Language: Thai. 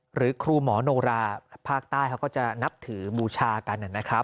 หรือครูหมอโนราภาคใต้เขาก็จะนับถือบูชากันนะครับ